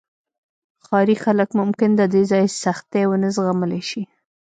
ښاري خلک ممکن د دې ځای سختۍ ونه زغملی شي